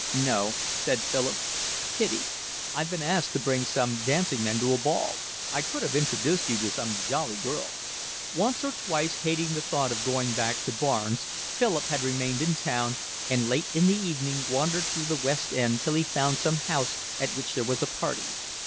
"No," said Philip. "Pity. I've been asked to bring some dancing men to a ball. I could have introduced you to some jolly girls." Once or twice, hating the thought of going back to Barnes, Philip had remained in town, and late in the evening wandered through the West End till he found some house at which there was a party.